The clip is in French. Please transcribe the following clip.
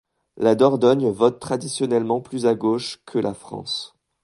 La Dordogne vote traditionnellement plus à gauche que la France.